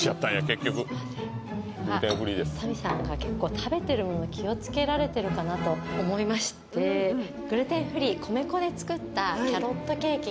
結局民さんが結構食べてるもの気を付けられてるかなと思いましてグルテンフリー米粉で作ったキャロットケーキになります